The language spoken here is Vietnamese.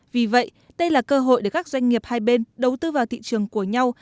vì vậy đây là cơ hội để các doanh nghiệp hai bên đầu tư vào thị trường của nhau